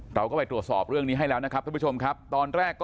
เราก็ไปตรวจสอบเรื่องนี้ให้แล้วนะครับท่านผู้ชมครับตอนแรกก็